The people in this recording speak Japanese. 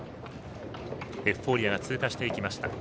エフフォーリアが通過していきました。